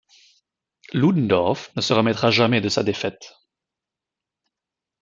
Ludendorff ne se remettra jamais de sa défaite.